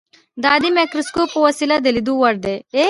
د عادي مایکروسکوپ په وسیله د لیدلو وړ دي.